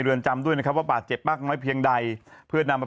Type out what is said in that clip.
เรือนจำด้วยนะครับว่าบาดเจ็บมากน้อยเพียงใดเพื่อนำมา